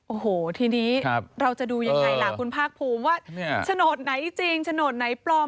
โอ้โหทีนี้เราจะดูยังไงล่ะคุณภาคภูมิว่าโฉนดไหนจริงโฉนดไหนปลอม